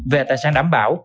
về tài sản đảm bảo